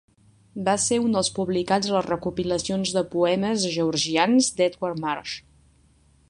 Va ser un dels publicats a les recopilacions de poemes georgians d'Edward Marsh.